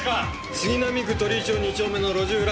杉並区とりい町２丁目の路地裏。